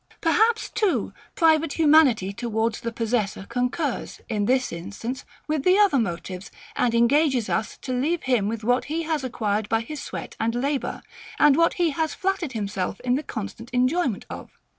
Perhaps too, private humanity towards the possessor concurs, in this instance, with the other motives, and engages us to leave with him what he has acquired by his sweat and labour; and what he has flattered himself in the constant enjoyment of.